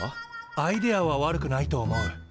アイデアは悪くないと思う。